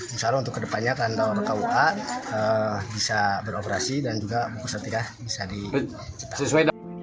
misalnya untuk kedepannya kantor kua bisa beroperasi dan juga buku setika bisa disesuaikan